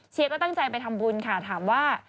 ก็ตั้งใจไปทำบุญค่ะถามว่า